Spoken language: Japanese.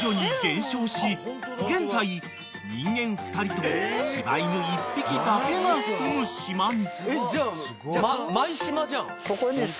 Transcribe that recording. ［現在人間２人と柴犬１匹だけがすむ島に］